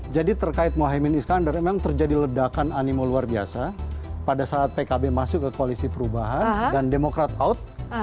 jadi terkait muhaimin iskandar memang terjadi ledakan animo luar biasa pada saat pkb masuk ke koalisi perubahan dan demokrat out